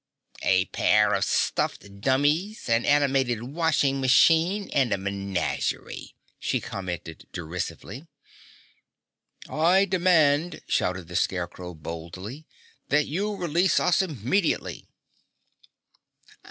"A pair of stuffed dummies, an animated washing machine, and a menagerie," she commented derisively. "I demand," shouted the Scarecrow boldly, "that you release us immediately!"